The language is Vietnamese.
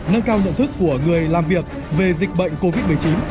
nâng cao nhận thức của người làm việc về dịch bệnh covid một mươi chín